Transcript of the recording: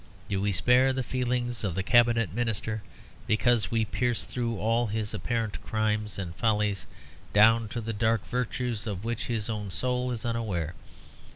Do we spare the feelings of the Cabinet Minister because we pierce through all his apparent crimes and follies down to the dark virtues of which his own soul is unaware?